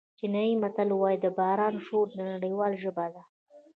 چینایي متل وایي د باران شور نړیواله ژبه ده.